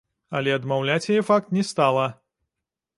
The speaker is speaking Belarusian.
Але адмаўляць яе факт не стала.